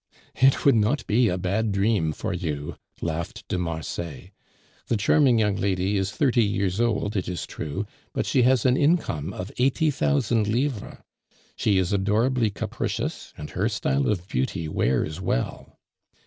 "It would not be a bad dream for you," laughed de Marsay. "The charming young lady is thirty years old, it is true, but she has an income of eighty thousand livres. She is adorably capricious, and her style of beauty wears well.